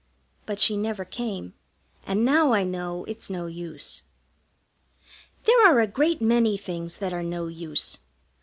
But she never came, and now I know it's no use. There are a great many things that are no use.